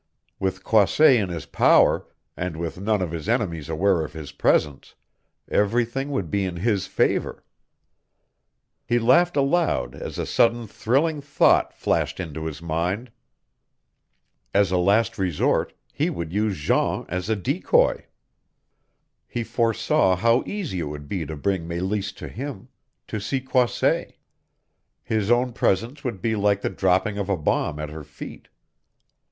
With Croisset in his power, and with none of his enemies aware of his presence, everything would be in his favor. He laughed aloud as a sudden thrilling thought flashed into his mind. As a last resort he would use Jean as a decoy. He foresaw how easy it would be to bring Meleese to him to see Croisset. His own presence would be like the dropping of a bomb at her feet.